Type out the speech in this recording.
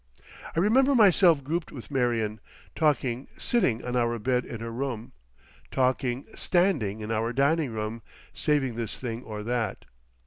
I remember myself grouped with Marion, talking sitting on our bed in her room, talking standing in our dining room, saving this thing or that.